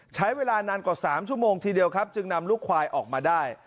ใช้เวลานานกว่า๓ชั่วโมงทีเดียวครับจึงนำลูกควายออกมาได้